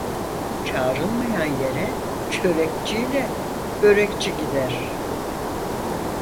Çağrılmayan yere çörekçi ile börekçi gider.